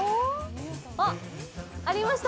あっ、ありました。